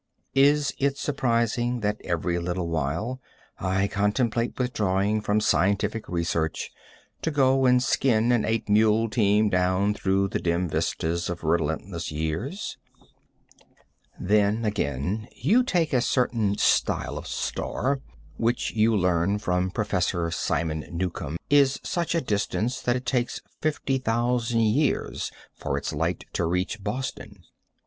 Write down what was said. Is it surprising that every little while I contemplate withdrawing from scientific research, to go and skin an eight mule team down through the dim vista of relentless years? Then, again, you take a certain style of star, which you learn from Professor Simon Newcomb is such a distance that it takes 50,000 years for its light to reach Boston.